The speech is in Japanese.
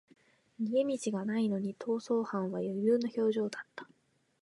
逃げ道がないのに逃走犯は余裕の表情だった